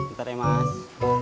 ntar deh mas